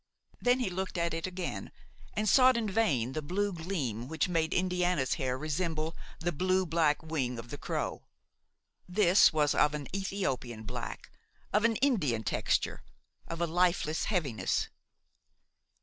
Then he looked at it again, and sought in vain the blue gleam which made Indiana's hair resemble the blue black wing of the crow; this was of an Ethiopian black, of an Indian texture, of a lifeless heaviness.